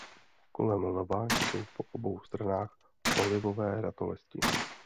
Kolem lva jsou po obou stranách olivové ratolesti.